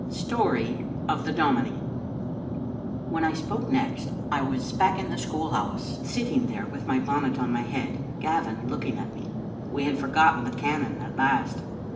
STORY OF THE DOMINIE. When I spoke next, I was back in the school honse, sitting there with my bonnet on my head, Gavin look ing at me. We had forgotten the cannon at last.